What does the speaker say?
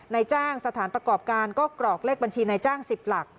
ในจ้างสถานประกอบการก็กรอกเลขบัญชีในจ้าง๑๐หลัก